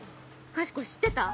かしこ知ってた？